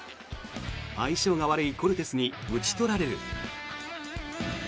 相性が悪いコルテスに打ち取られる。